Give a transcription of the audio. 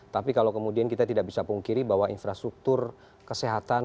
tapi kalau kemudian kita tidak bisa pungkiri bahwa infrastruktur kesehatan